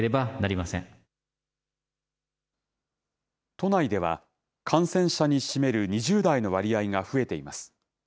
都内では、感染者に占める２０代の割合が増えています。